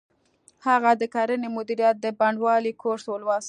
هغه د کرنې مدیریت د بڼوالۍ کورس ولوست